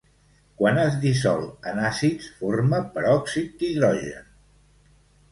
Quan es dissol en àcids, forma peròxid d'hidrogen.